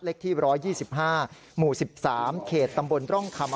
ที่๑๒๕หมู่๑๓เขตตำบลร่องคำ